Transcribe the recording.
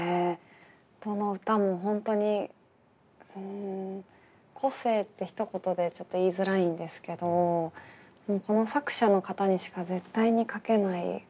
どの歌も本当に個性って一言でちょっと言いづらいんですけどこの作者の方にしか絶対に書けない空気感っていうんですかね